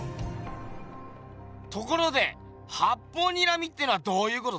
ところで八方睨みってのはどういうことだ？